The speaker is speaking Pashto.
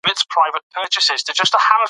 زمانه بدله شوې ده.